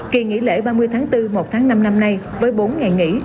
kỳ nghỉ lễ ba mươi tháng bốn một tháng năm năm nay với bốn ngày nghỉ